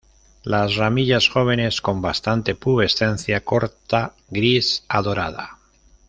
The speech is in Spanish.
Las ramillas jóvenes con bastante pubescencia corta gris a dorada.